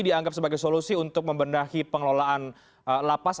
dianggap sebagai solusi untuk membenahi pengelolaan lapas